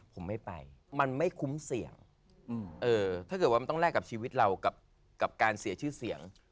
ผมไม่ไปมันไม่คุ้มเสี่ยงถ้าเกิดว่ามันต้องแลกกับชีวิตเรากับการเสียชื่อเสียง